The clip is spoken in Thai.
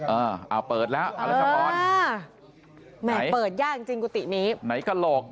เออเอาเปิดแล้วเอาละครับอ๋อแหมเปิดยากจริงจริงกุฏินี้ไหนกะโหลก